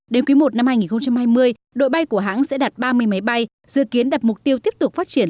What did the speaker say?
đến quý i năm hai nghìn hai mươi đội bay của hãng sẽ đặt ba mươi máy bay dự kiến đặt mục tiêu tiếp tục phát triển